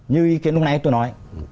như ý kiến lúc nãy tôi nói